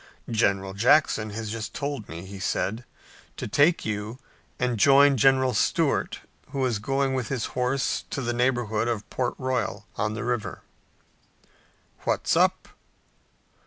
"General Jackson has just told me," he said, "to take you and join General Stuart, who is going with his horse to the neighborhood of Port Royal on the river." "What's up?"